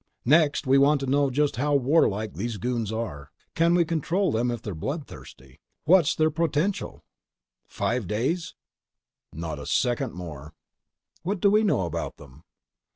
Next, we want to know just how warlike these goons are. Can we control them if they're bloodthirsty. What's their potential?" "In five days?" "Not a second more." "What do we know about them?"